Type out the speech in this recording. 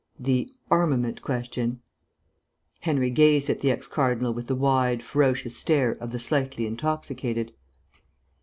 "The armament question?" Henry gazed at the ex cardinal with the wide, ferocious stare of the slightly intoxicated.